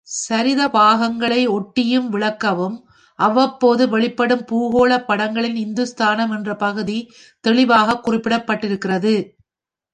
சரித பாகங்களை ஒட்டியும் விளக்கவும் அவ்வப்போது வெளியிடப்படும் பூகோளப் படங்களில் இந்துஸ்தானம் என்ற பகுதி தெளிவாகக் குறிப்பிடப்பட்டிருக்கிறது.